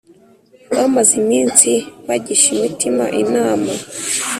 Bamaze iminsi bagisha imitima inama